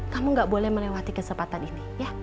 kamu gak boleh melewati kesempatan ini